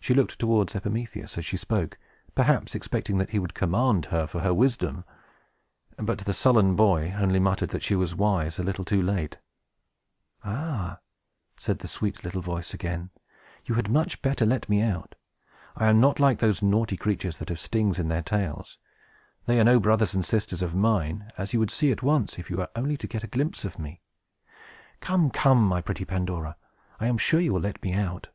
She looked towards Epimetheus, as she spoke, perhaps expecting that he would commend her for her wisdom. But the sullen boy only muttered that she was wise a little too late. "Ah," said the sweet little voice again, "you had much better let me out. I am not like those naughty creatures that have stings in their tails. They are no brothers and sisters of mine, as you would see at once, if you were only to get a glimpse of me. Come, come, my pretty Pandora! I am sure you will let me out!"